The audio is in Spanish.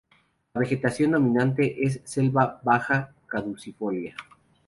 La vegetación dominante es selva baja caducifolia.